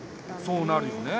そうなるよね。